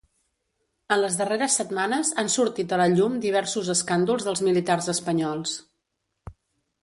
En les darreres setmanes han sortit a la llum diversos escàndols dels militars espanyols.